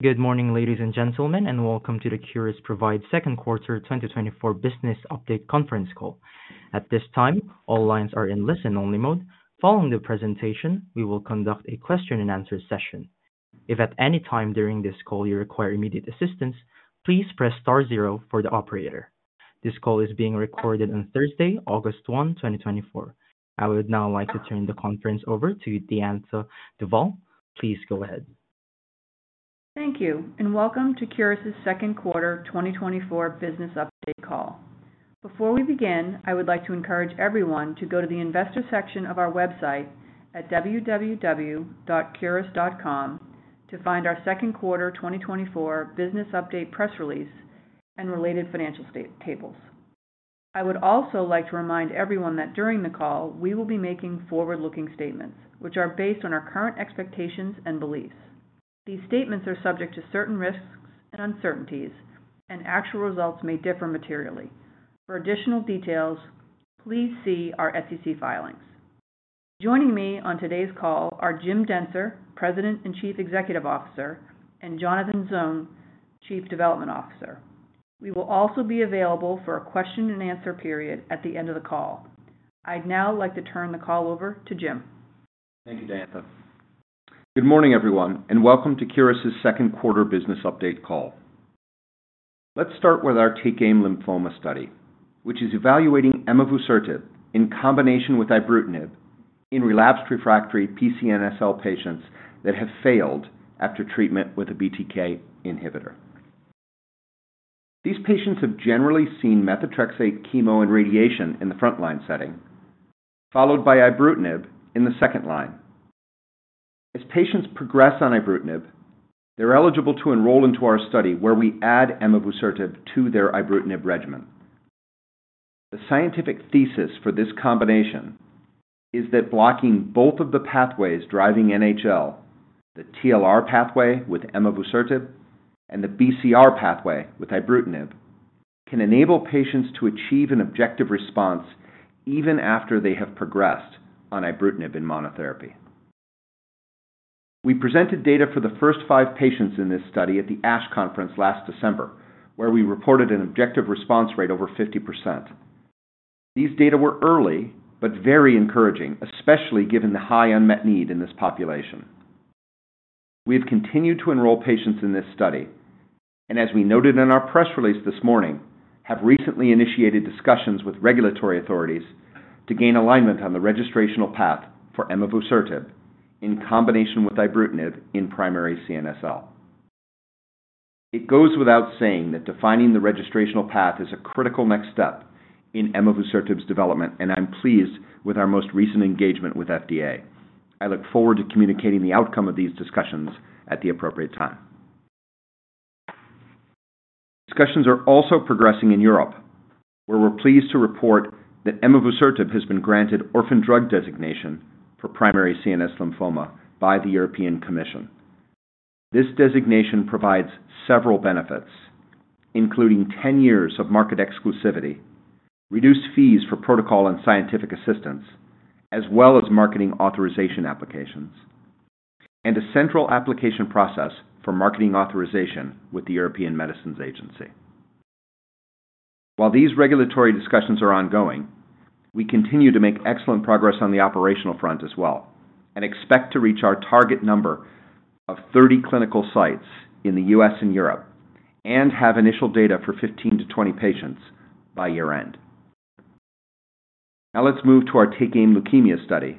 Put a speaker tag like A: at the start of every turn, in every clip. A: Good morning, ladies and gentlemen, and welcome to the Curis Provides Second Quarter 2024 Business Update Conference Call. At this time, all lines are in listen-only mode. Following the presentation, we will conduct a question-and-answer session. If at any time during this call you require immediate assistance, please press star zero for the operator. This call is being recorded on Thursday, August 1, 2024. I would now like to turn the conference over to Diantha Duvall. Please go ahead.
B: Thank you, and welcome to Curis's second quarter 2024 business update call. Before we begin, I would like to encourage everyone to go to the investor section of our website at www.curis.com to find our second quarter 2024 business update press release and related financial statements. I would also like to remind everyone that during the call, we will be making forward-looking statements, which are based on our current expectations and beliefs. These statements are subject to certain risks and uncertainties, and actual results may differ materially. For additional details, please see our SEC filings. Joining me on today's call are Jim Dentzer, President and Chief Executive Officer, and Jonathan Zung, Chief Development Officer. We will also be available for a question-and-answer period at the end of the call. I'd now like to turn the call over to Jim.
C: Thank you, Diantha. Good morning, everyone, and welcome to Curis's second quarter business update call. Let's start with our Take Aim Lymphoma study, which is evaluating emavusertib in combination with ibrutinib in relapsed refractory PCNSL patients that have failed after treatment with a BTK inhibitor. These patients have generally seen methotrexate, chemo, and radiation in the frontline setting, followed by ibrutinib in the second line. As patients progress on ibrutinib, they're eligible to enroll into our study, where we add emavusertib to their ibrutinib regimen. The scientific thesis for this combination is that blocking both of the pathways driving NHL, the TLR pathway with emavusertib and the BCR pathway with ibrutinib, can enable patients to achieve an objective response even after they have progressed on ibrutinib in monotherapy. We presented data for the first 5 patients in this study at the ASH conference last December, where we reported an objective response rate over 50%. These data were early but very encouraging, especially given the high unmet need in this population. We have continued to enroll patients in this study, and, as we noted in our press release this morning, have recently initiated discussions with regulatory authorities to gain alignment on the registrational path for emavusertib in combination with ibrutinib in primary CNSL. It goes without saying that defining the registrational path is a critical next step in emavusertib's development, and I'm pleased with our most recent engagement with FDA. I look forward to communicating the outcome of these discussions at the appropriate time. Discussions are also progressing in Europe, where we're pleased to report that emavusertib has been granted orphan drug designation for Primary CNS Lymphoma by the European Commission. This designation provides several benefits, including 10 years of market exclusivity, reduced fees for protocol and scientific assistance, as well as marketing authorization applications, and a central application process for marketing authorization with the European Medicines Agency. While these regulatory discussions are ongoing, we continue to make excellent progress on the operational front as well and expect to reach our target number of 30 clinical sites in the U.S. and Europe and have initial data for 15-20 patients by year-end. Now let's move to our Take Aim Leukemia study,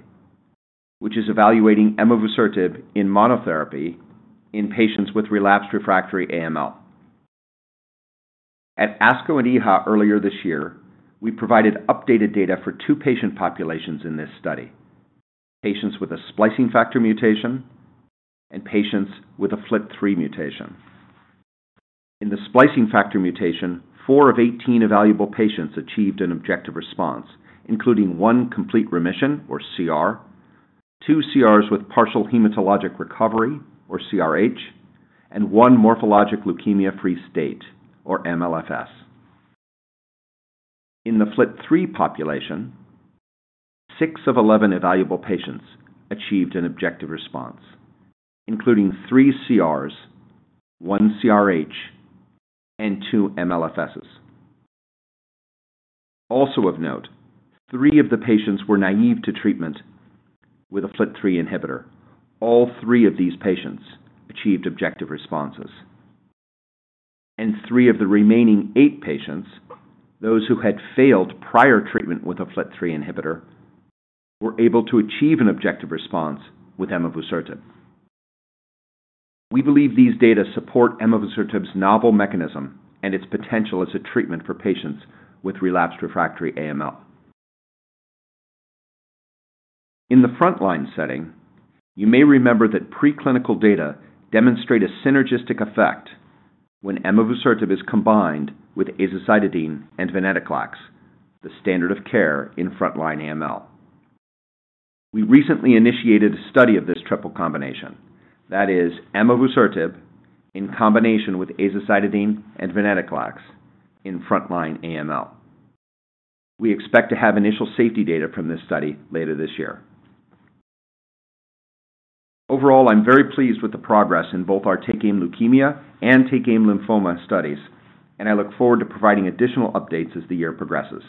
C: which is evaluating emavusertib in monotherapy in patients with relapsed refractory AML. At ASCO and EHA earlier this year, we provided updated data for two patient populations in this study: patients with a splicing factor mutation and patients with a FLT3 mutation. In the splicing factor mutation, 4 of 18 evaluable patients achieved an objective response, including 1 complete remission, or CR, 2 CRs with partial hematologic recovery, or CRH, and 1 morphologic leukemia-free state, or MLFS. In the FLT3 population, 6 of 11 evaluable patients achieved an objective response, including 3 CRs, 1 CRH, and 2 MLFSs. Also of note, 3 of the patients were naive to treatment with a FLT3 inhibitor. All 3 of these patients achieved objective responses. And 3 of the remaining 8 patients, those who had failed prior treatment with a FLT3 inhibitor, were able to achieve an objective response with emavusertib. We believe these data support emavusertib's novel mechanism and its potential as a treatment for patients with relapsed refractory AML. In the frontline setting, you may remember that preclinical data demonstrate a synergistic effect when emavusertib is combined with azacitidine and venetoclax, the standard of care in frontline AML. We recently initiated a study of this triple combination, that is, emavusertib in combination with azacitidine and venetoclax in frontline AML....We expect to have initial safety data from this study later this year. Overall, I'm very pleased with the progress in both our Take Aim leukemia and Take Aim lymphoma studies, and I look forward to providing additional updates as the year progresses.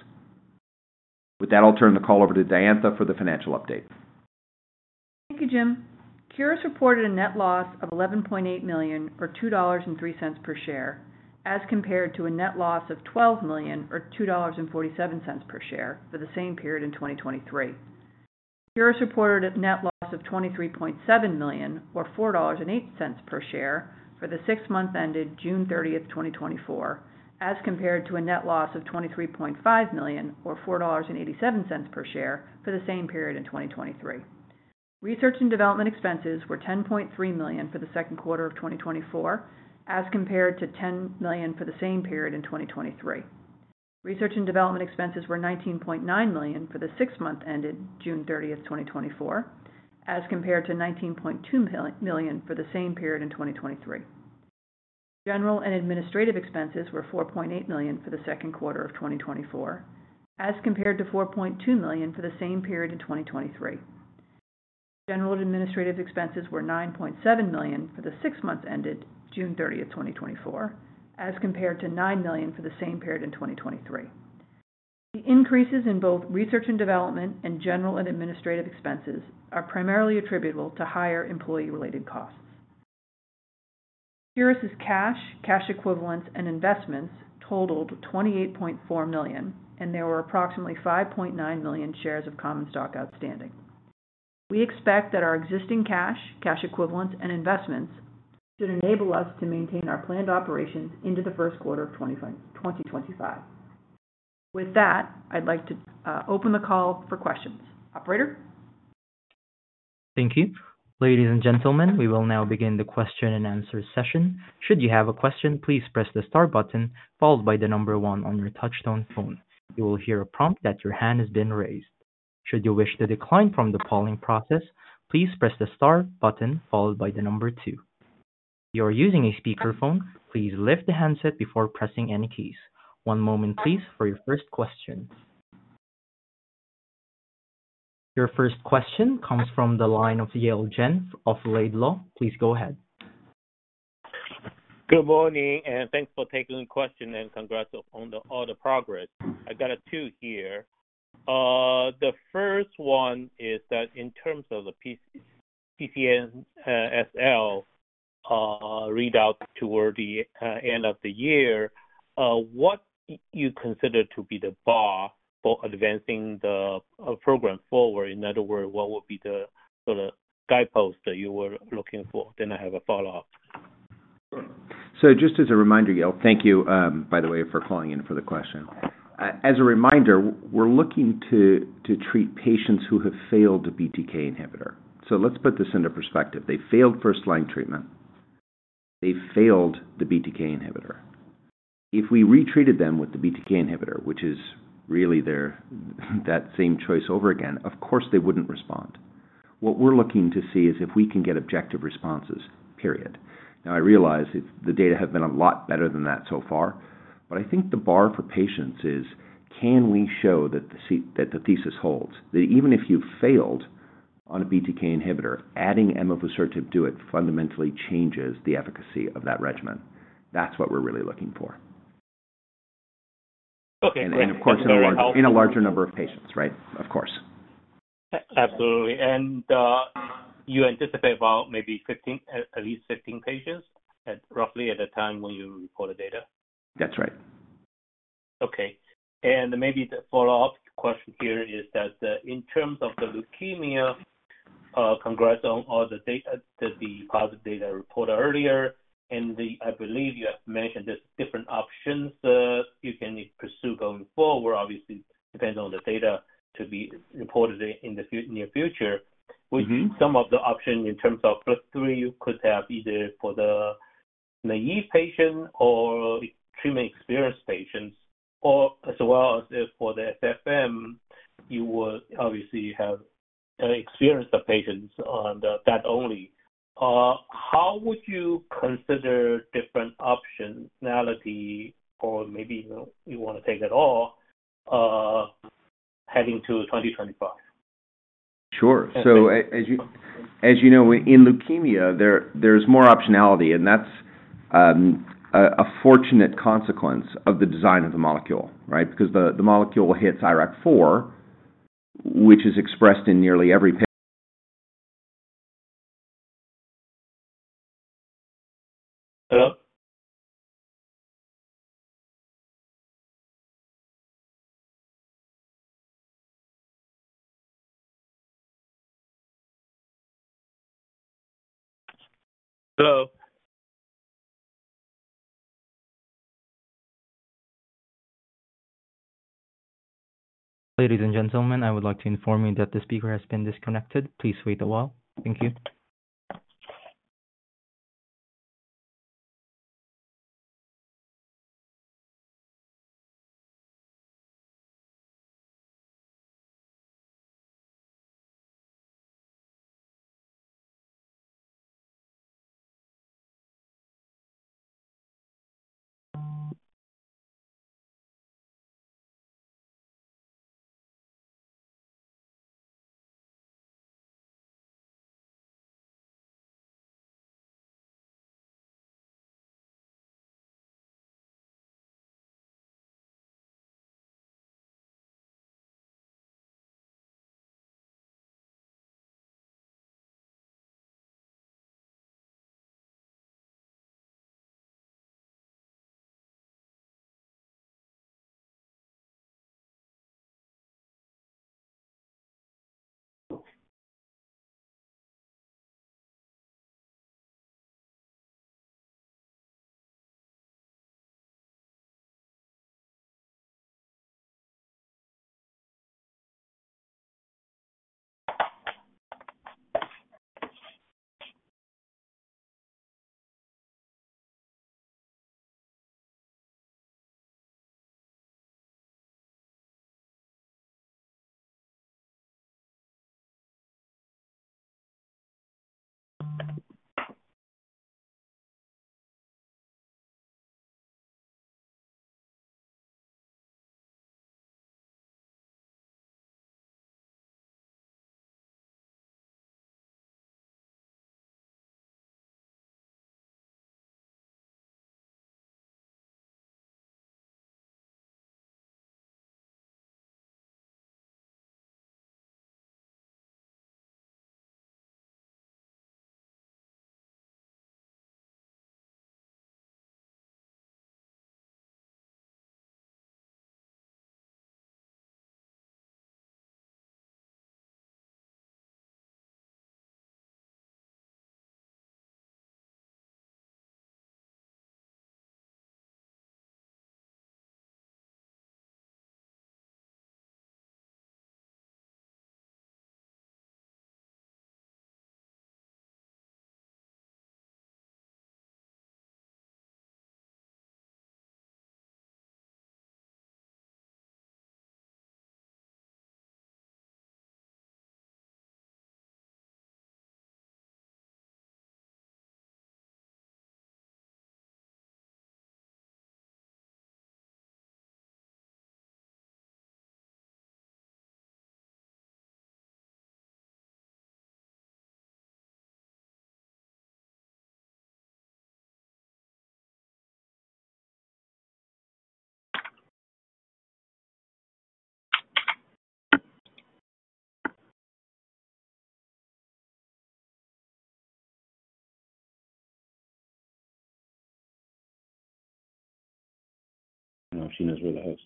C: With that, I'll turn the call over to Diantha for the financial update.
B: Thank you, Jim. Curis reported a net loss of $11.8 million, or $2.03 per share, as compared to a net loss of $12 million, or $2.47 per share, for the same period in 2023. Curis reported a net loss of $23.7 million, or $4.08 per share, for the six months ended June 30, 2024, as compared to a net loss of $23.5 million, or $4.87 per share, for the same period in 2023. Research and development expenses were $10.3 million for the second quarter of 2024, as compared to $10 million for the same period in 2023. Research and development expenses were $19.9 million for the six months ended June 30, 2024, as compared to $19.2 million for the same period in 2023. General and administrative expenses were $4.8 million for the second quarter of 2024, as compared to $4.2 million for the same period in 2023. General and administrative expenses were $9.7 million for the six months ended June 30, 2024, as compared to $9 million for the same period in 2023. The increases in both research and development and general and administrative expenses are primarily attributable to higher employee-related costs. Curis' cash, cash equivalents and investments totaled $28.4 million, and there were approximately 5.9 million shares of common stock outstanding. We expect that our existing cash, cash equivalents and investments should enable us to maintain our planned operations into the first quarter of 2025. With that, I'd like to open the call for questions. Operator?
A: Thank you. Ladies and gentlemen, we will now begin the question and answer session. Should you have a question, please press the star button followed by the number 1 on your touchtone phone. You will hear a prompt that your hand has been raised. Should you wish to decline from the polling process, please press the star button followed by the number 2. If you are using a speakerphone, please lift the handset before pressing any keys. One moment, please, for your first question. Your first question comes from the line of Yale Jen of Laidlaw. Please go ahead.
D: Good morning, and thanks for taking the question, and congrats on all the progress. I got two here. The first one is that in terms of the PCNSL readout toward the end of the year, what do you consider to be the bar for advancing the program forward? In other words, what would be the sort of guidepost that you were looking for? Then I have a follow-up.
C: So just as a reminder, Yale, thank you, by the way, for calling in for the question. As a reminder, we're looking to treat patients who have failed a BTK inhibitor. So let's put this into perspective. They failed first-line treatment. They failed the BTK inhibitor. If we retreated them with the BTK inhibitor, which is really that same choice over again, of course, they wouldn't respond. What we're looking to see is if we can get objective responses, period. Now, I realize it's the data have been a lot better than that so far, but I think the bar for patients is, can we show that the thesis holds? That even if you failed on a BTK inhibitor, adding emavusertib to it fundamentally changes the efficacy of that regimen. That's what we're really looking for.
D: Okay.
C: And, of course, in a large-
D: Very helpful.
C: In a larger number of patients, right? Of course.
D: Absolutely. And, you anticipate about maybe 15, at least 15 patients at roughly the time when you report the data?
C: That's right.
D: Okay. And maybe the follow-up question here is that, in terms of the leukemia, congrats on all the data, the positive data reported earlier, and the... I believe you have mentioned there's different options, you can pursue going forward, obviously, depends on the data to be reported in the near future.
C: Mm-hmm.
D: With some of the options in terms of plus three, you could have either for the naive patient or treatment-experienced patients, or as well as if for the FFM, you would obviously have experienced the patients on the that only. How would you consider different optionality, or maybe you, you want to take it all heading to 2025?
C: Sure. So as you know, in leukemia, there's more optionality, and that's a fortunate consequence of the design of the molecule, right? Because the molecule hits IRAK4, which is expressed in nearly every pa-
D: Hello? Hello?
A: Ladies and gentlemen, I would like to inform you that the speaker has been disconnected. Please wait a while. Thank you. ...
E: I know she knows where that is.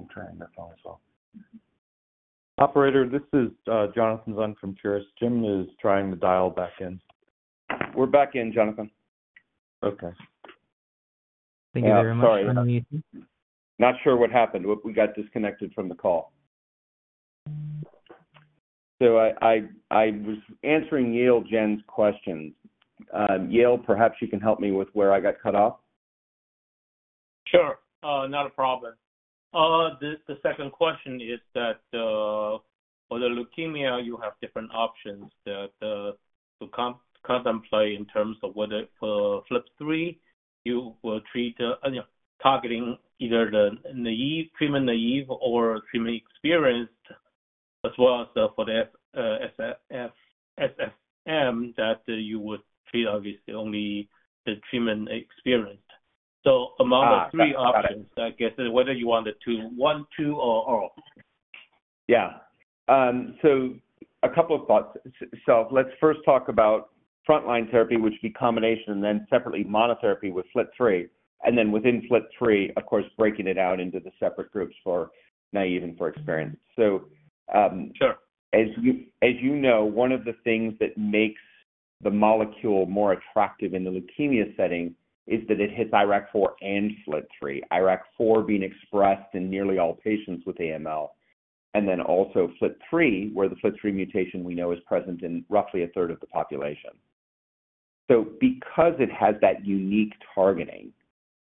E: I'm trying that phone as well.
C: Operator, this is Jonathan Zung from Curis. Jim is trying to dial back in.
E: We're back in, Jonathan Zung.
F: Okay.
C: Thank you very much. Yeah, sorry. Not sure what happened. We got disconnected from the call. So I was answering Yale Jen's questions. Yale, perhaps you can help me with where I got cut off?
D: Sure. Not a problem. The second question is that, for the leukemia, you have different options that to contemplate in terms of whether for FLT3, you will treat, you know, targeting either the naive, treatment-naive or treatment-experienced, as well as, for the splicing factor mutation, that you would treat obviously only the treatment-experienced. So among the three options, I guess, whether you want the two, one, two, or all?
C: Yeah. A couple of thoughts. Let's first talk about frontline therapy, which would be combination, and then separately, monotherapy with FLT3, and then within FLT3, of course, breaking it out into the separate groups for naive and for experienced.
D: Sure.
C: As you know, one of the things that makes the molecule more attractive in the leukemia setting is that it hits IRAK4 and FLT3. IRAK4 being expressed in nearly all patients with AML, and then also FLT3, where the FLT3 mutation we know is present in roughly a third of the population. So because it has that unique targeting,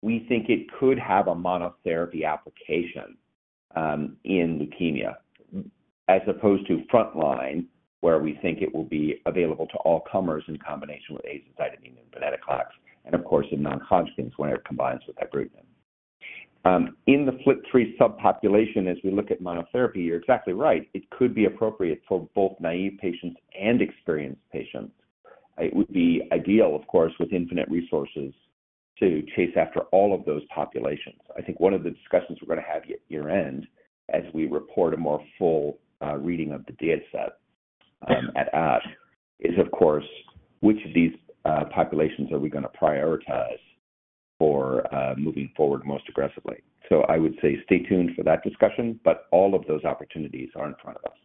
C: we think it could have a monotherapy application in leukemia, as opposed to frontline, where we think it will be available to all comers in combination with azacitidine and venetoclax, and of course, in non-Hodgkin's, when it combines with ibrutinib. In the FLT3 subpopulation, as we look at monotherapy, you're exactly right, it could be appropriate for both naive patients and experienced patients. It would be ideal, of course, with infinite resources, to chase after all of those populations. I think one of the discussions we're going to have year-end, as we report a more full reading of the data set at ASH, is of course which of these populations are we going to prioritize for moving forward most aggressively? So I would say stay tuned for that discussion, but all of those opportunities are in front of us....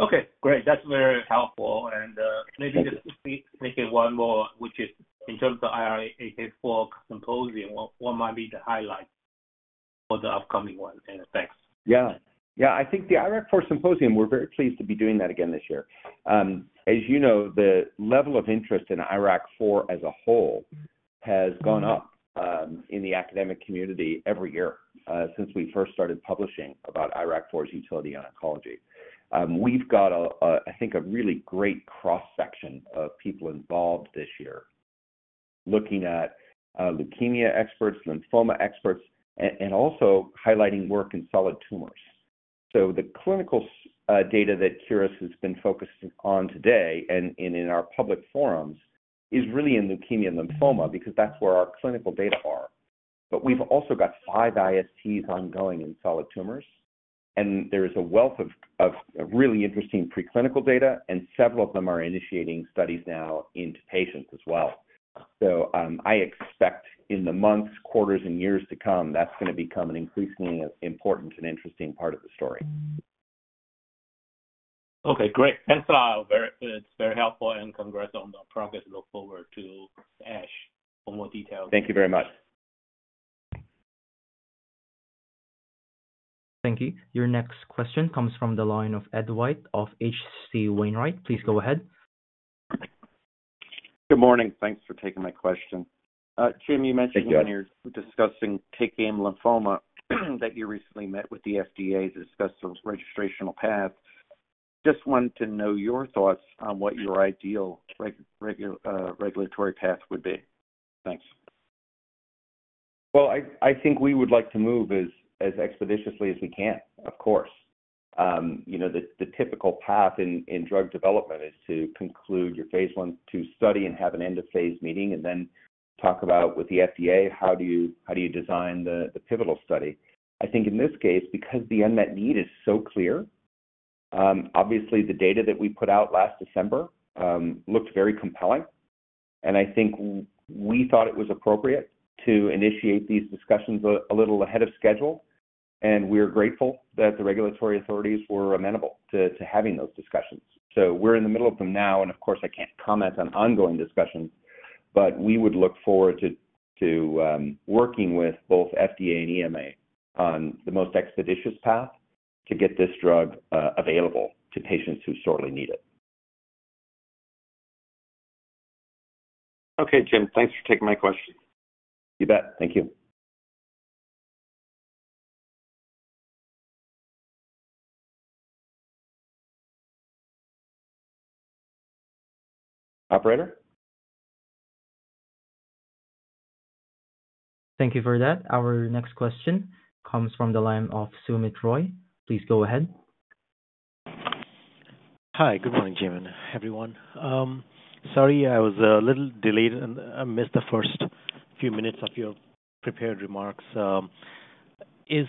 D: Okay, great. That's very helpful. And, maybe just make it one more, which is in terms of the IRAK4 symposium, what might be the highlight for the upcoming one? And thanks.
C: Yeah. Yeah, I think the IRAK4 symposium, we're very pleased to be doing that again this year. As you know, the level of interest in IRAK4 as a whole has gone up in the academic community every year since we first started publishing about IRAK4's utility on oncology. We've got a, I think, a really great cross-section of people involved this year, looking at leukemia experts, lymphoma experts, and also highlighting work in solid tumors. So the clinical data that Curis has been focusing on today and in our public forums is really in leukemia and lymphoma, because that's where our clinical data are. But we've also got five ISTs ongoing in solid tumors, and there is a wealth of really interesting preclinical data, and several of them are initiating studies now into patients as well. I expect in the months, quarters, and years to come, that's going to become an increasingly important and interesting part of the story.
D: Okay, great. Thanks a lot. It's very helpful and congrats on the progress. Look forward to ASH for more details.
C: Thank you very much.
A: Thank you. Your next question comes from the line of Ed White of H.C. Wainwright. Please go ahead.
E: Good morning. Thanks for taking my question. Jim, you mentioned-
C: Thank you.
E: when you're discussing PCNSL, that you recently met with the FDA to discuss those registrational paths. Just wanted to know your thoughts on what your ideal regulatory path would be. Thanks.
C: Well, I think we would like to move as expeditiously as we can, of course. You know, the typical path in drug development is to conclude your phase 1/2 study and have an end-of-phase meeting and then talk about with the FDA, how do you design the pivotal study? I think in this case, because the unmet need is so clear, obviously the data that we put out last December looked very compelling, and I think we thought it was appropriate to initiate these discussions a little ahead of schedule, and we're grateful that the regulatory authorities were amenable to having those discussions. So we're in the middle of them now, and of course, I can't comment on ongoing discussions, but we would look forward to working with both FDA and EMA on the most expeditious path to get this drug available to patients who sorely need it.
E: Okay, Jim. Thanks for taking my question.
C: You bet. Thank you. Operator?
A: Thank you for that. Our next question comes from the line of Soumit Roy. Please go ahead. Hi, good morning, Jim and everyone. Sorry, I was a little delayed, and I missed the first few minutes of your prepared remarks. Are you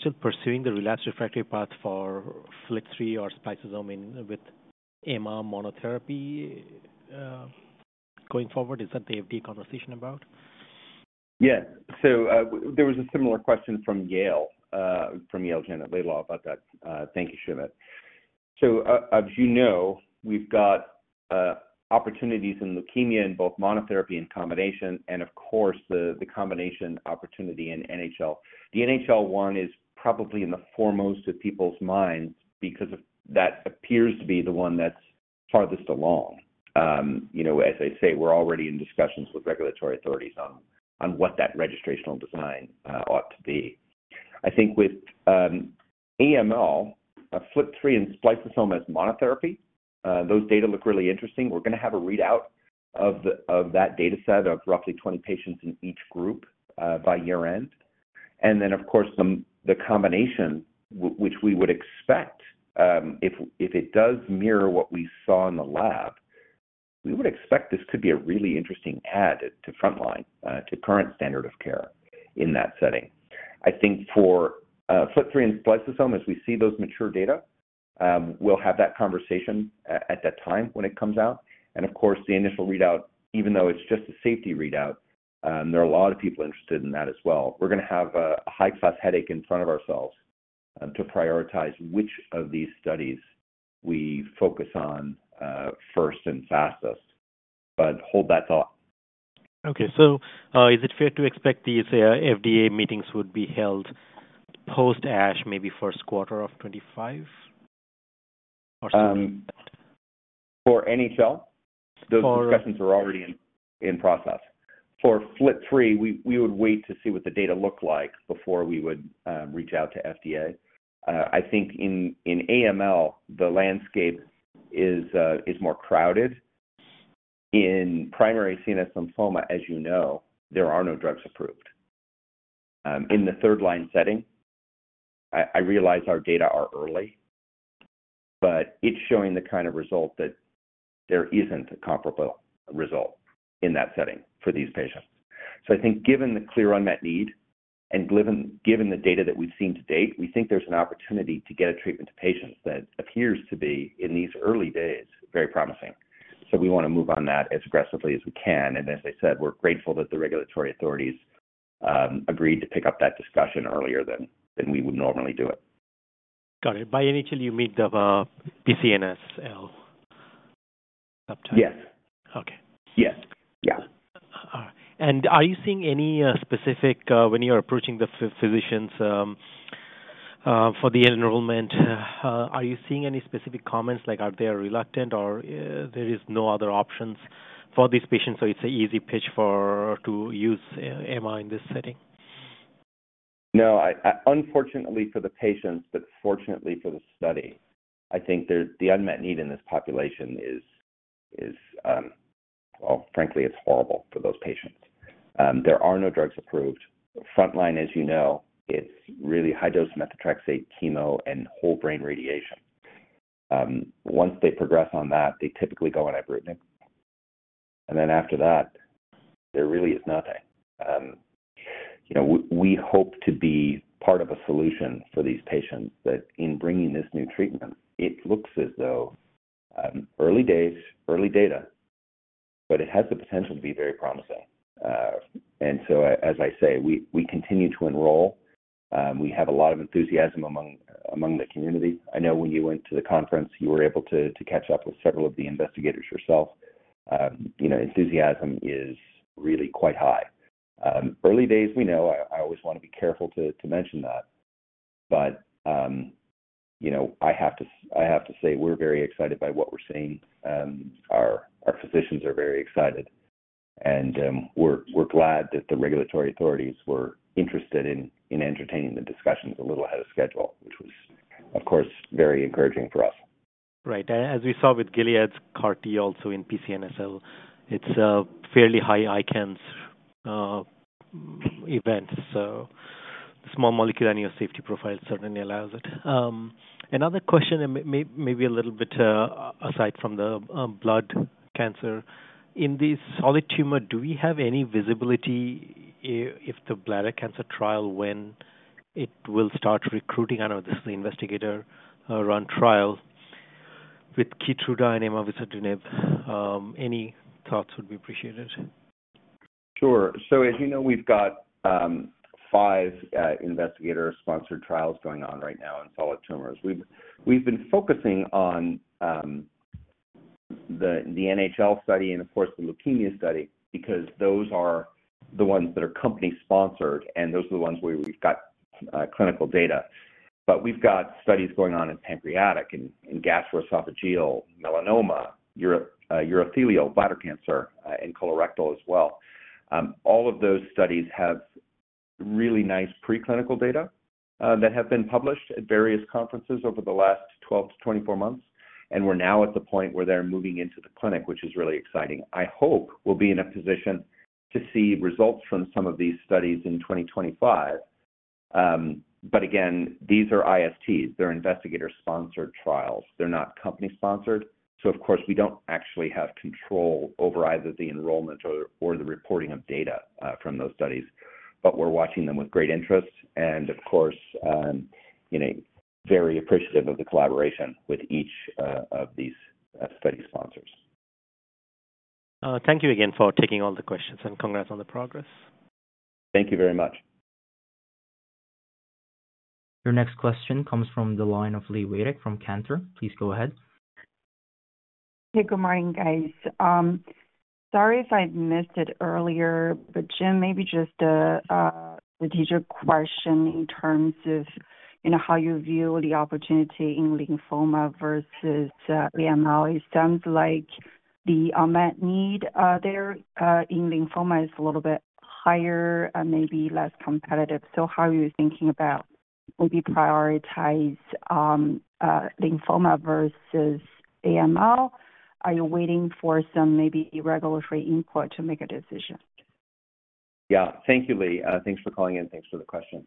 A: still pursuing the relapsed refractory path for FLT3 or spliceosome in, with AML monotherapy, going forward? Is that the FDA conversation about?
C: Yeah. So, there was a similar question from Yale Jen at Laidlaw, about that. Thank you, Soumit. So, as you know, we've got opportunities in leukemia in both monotherapy and combination, and of course, the combination opportunity in NHL. The NHL one is probably in the foremost of people's minds because that appears to be the one that's farthest along. You know, as I say, we're already in discussions with regulatory authorities on what that registrational design ought to be. I think with AML, FLT3 and spliceosome as monotherapy, those data look really interesting. We're going to have a readout of that data set of roughly 20 patients in each group, by year-end. And then, of course, the combination, which we would expect, if it does mirror what we saw in the lab, we would expect this could be a really interesting add to frontline, to current standard of care in that setting. I think for FLT3 and spliceosome, as we see those mature data, we'll have that conversation at that time when it comes out. And of course, the initial readout, even though it's just a safety readout, there are a lot of people interested in that as well. We're going to have a high class headache in front of ourselves, to prioritize which of these studies we focus on, first and fastest, but hold that thought. Okay. So, is it fair to expect these FDA meetings would be held post ASH, maybe first quarter of 2025? Or should we- For NHL? For- Those discussions are already in process. For FLT3, we would wait to see what the data look like before we would reach out to FDA. I think in AML, the landscape is more crowded. In primary CNS lymphoma, as you know, there are no drugs approved. In the third line setting, I realize our data are early, but it's showing the kind of result that there isn't a comparable result in that setting for these patients. So I think given the clear unmet need and given the data that we've seen to date, we think there's an opportunity to get a treatment to patients that appears to be, in these early days, very promising. So we want to move on that as aggressively as we can, and as I said, we're grateful that the regulatory authorities-... Agreed to pick up that discussion earlier than we would normally do it. Got it. By NHL, you mean the PCNSL subtype? Yes. Okay. Yes. Yeah. And are you seeing any specific when you're approaching the physicians for the enrollment, are you seeing any specific comments, like are they reluctant or, there is no other options for these patients, so it's an easy pitch to use AML in this setting? No, I, unfortunately for the patients, but fortunately for the study, I think there's the unmet need in this population is well, frankly, it's horrible for those patients. There are no drugs approved. Frontline, as you know, it's really high-dose methotrexate, chemo, and whole brain radiation. Once they progress on that, they typically go on ibrutinib, and then after that, there really is nothing. You know, we hope to be part of a solution for these patients, that in bringing this new treatment, it looks as though, early days, early data, but it has the potential to be very promising. And so, as I say, we continue to enroll. We have a lot of enthusiasm among the community. I know when you went to the conference, you were able to catch up with several of the investigators yourself. You know, enthusiasm is really quite high. Early days, we know. I always want to be careful to mention that, but, you know, I have to say, we're very excited by what we're seeing. Our physicians are very excited, and, we're glad that the regulatory authorities were interested in entertaining the discussions a little ahead of schedule, which was, of course, very encouraging for us. Right. As we saw with Gilead's CAR T, also in PCNSL, it's a fairly high ICANS event, so small molecule overall safety profile certainly allows it. Another question, and maybe a little bit aside from the blood cancer, in the solid tumor, do we have any visibility if the bladder cancer trial, when it will start recruiting? I know this is investigator-run trial with Keytruda and emavusertib. Any thoughts would be appreciated. Sure. So as you know, we've got 5 investigator-sponsored trials going on right now in solid tumors. We've been focusing on the NHL study and of course, the leukemia study, because those are the ones that are company-sponsored, and those are the ones where we've got clinical data. But we've got studies going on in pancreatic and gastroesophageal, melanoma, urothelial, bladder cancer, and colorectal as well. All of those studies have really nice preclinical data that have been published at various conferences over the last 12-24 months, and we're now at the point where they're moving into the clinic, which is really exciting. I hope we'll be in a position to see results from some of these studies in 2025. But again, these are ISTs. They're investigator-sponsored trials. They're not company-sponsored, so of course, we don't actually have control over either the enrollment or the reporting of data from those studies. But we're watching them with great interest and of course, you know, very appreciative of the collaboration with each of these study sponsors. Thank you again for taking all the questions, and congrats on the progress. Thank you very much.
A: Your next question comes from the line of Li Watsek from Cantor. Please go ahead.
G: Hey, good morning, guys. Sorry if I missed it earlier, but Jim, maybe just a strategic question in terms of, you know, how you view the opportunity in lymphoma versus AML. It sounds like the unmet need there in lymphoma is a little bit higher and maybe less competitive. So how are you thinking about maybe prioritize lymphoma versus AML? Are you waiting for some maybe regulatory input to make a decision?
C: Yeah. Thank you, Lee. Thanks for calling in. Thanks for the question.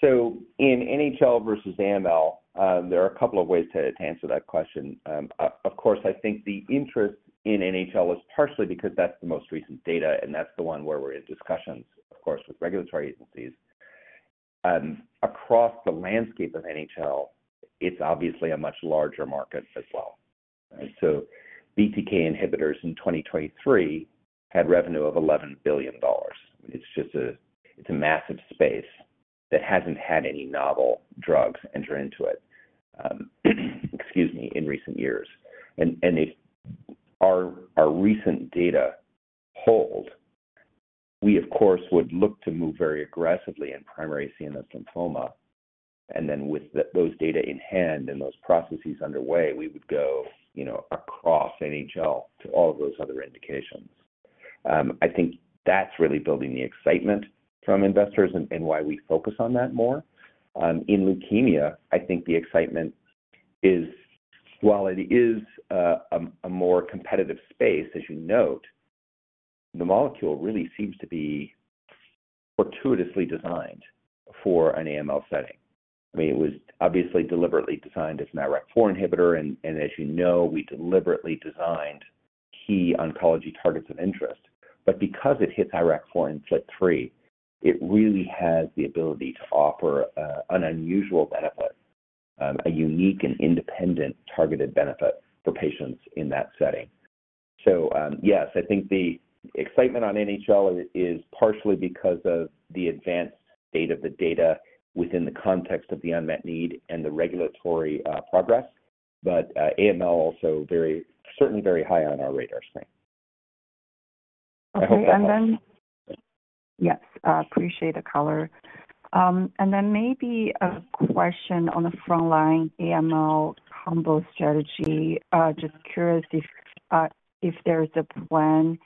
C: So in NHL versus AML, there are a couple of ways to answer that question. Of course, I think the interest in NHL is partially because that's the most recent data, and that's the one where we're in discussions, of course, with regulatory agencies. Across the landscape of NHL, it's obviously a much larger market as well. And so BTK inhibitors in 2023 had revenue of $11 billion. It's just a, it's a massive space that hasn't had any novel drugs enter into it, excuse me, in recent years. And if our recent data hold, we of course would look to move very aggressively in primary CNS lymphoma, and then with those data in hand and those processes underway, we would go, you know, across NHL to all of those other indications. I think that's really building the excitement from investors and why we focus on that more. In leukemia, I think the excitement is, while it is a more competitive space, as you note, the molecule really seems to be fortuitously designed for an AML setting. I mean, it was obviously deliberately designed as an IRAK4 inhibitor, and as you know, we deliberately designed key oncology targets of interest. But because it hits IRAK4 and FLT3, it really has the ability to offer an unusual benefit, a unique and independent targeted benefit for patients in that setting. So, yes, I think the excitement on NHL is partially because of the advanced state of the data within the context of the unmet need and the regulatory progress, but AML also very certainly very high on our radar screen.
G: Okay. And then... Yes, I appreciate the color. And then maybe a question on the frontline AML combo strategy. Just curious if, if there is a plan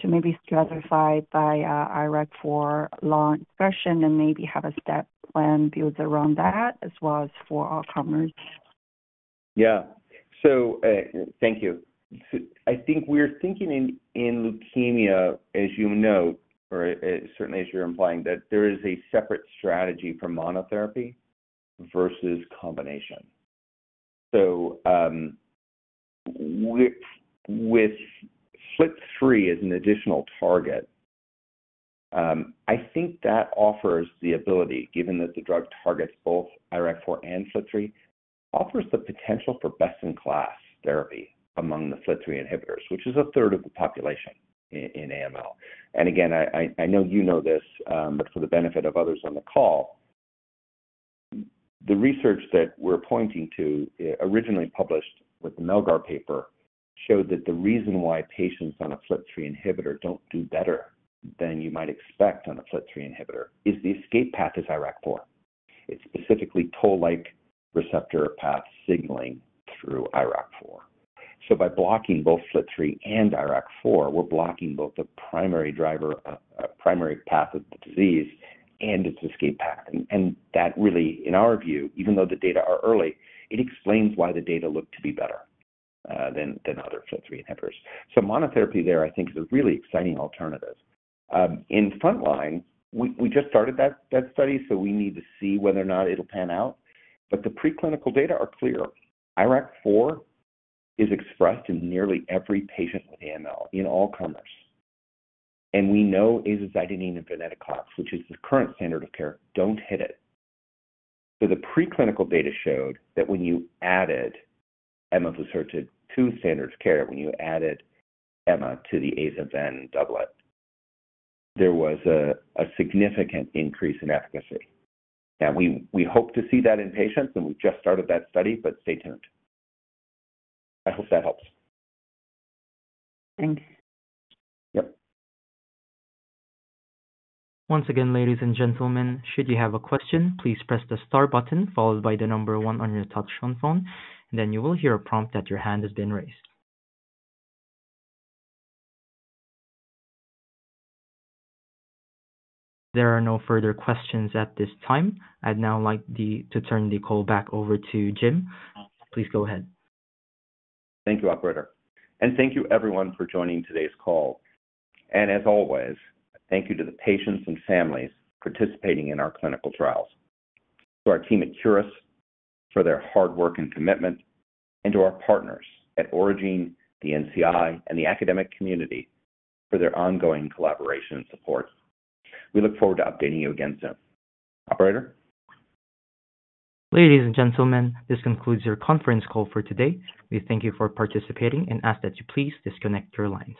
G: to maybe stratify by, IRAK4 long expression and maybe have a step plan built around that as well as for all comers?
C: Yeah. So, thank you. I think we're thinking in leukemia, as you note, or certainly as you're implying, that there is a separate strategy for monotherapy versus combination. So, with FLT3 as an additional target, I think that offers the ability, given that the drug targets both IRAK4 and FLT3, offers the potential for best-in-class therapy among the FLT3 inhibitors, which is a third of the population in AML. And again, I know you know this, but for the benefit of others on the call, the research that we're pointing to, originally published with the Melgar paper, showed that the reason why patients on a FLT3 inhibitor don't do better than you might expect on a FLT3 inhibitor is the escape path is IRAK4. It's specifically toll-like receptor path signaling through IRAK4. So by blocking both FLT3 and IRAK4, we're blocking both the primary driver, primary path of the disease and its escape path. And that really, in our view, even though the data are early, it explains why the data look to be better than other FLT3 inhibitors. So monotherapy there, I think, is a really exciting alternative. In frontline, we just started that study, so we need to see whether or not it'll pan out, but the preclinical data are clear. IRAK4 is expressed in nearly every patient with AML in all comers, and we know azacitidine and venetoclax, which is the current standard of care, don't hit it. So the preclinical data showed that when you added emavusertib to standards of care, when you added ema to the AzaVen doublet, there was a significant increase in efficacy. And we hope to see that in patients, and we've just started that study, but stay tuned. I hope that helps.
G: Thanks.
C: Yep.
A: Once again, ladies and gentlemen, should you have a question, please press the star button followed by the number one on your touchtone phone, and then you will hear a prompt that your hand has been raised. There are no further questions at this time. I'd now like to turn the call back over to Jim. Please go ahead.
C: Thank you, operator, and thank you everyone for joining today's call. And as always, thank you to the patients and families participating in our clinical trials, to our team at Curis, for their hard work and commitment, and to our partners at Aurigene, the NCI, and the academic community for their ongoing collaboration and support. We look forward to updating you again soon. Operator?
A: Ladies and gentlemen, this concludes your conference call for today. We thank you for participating and ask that you please disconnect your lines.